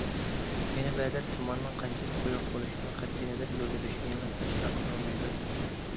يەنە بەزىلەر تۇماننىڭ قانچىلىك قويۇق بولۇشىدىن قەتئىينەزەر، يول يۈرۈشكە يەنىلا كاشىلا قىلالمايدۇ، دېدى.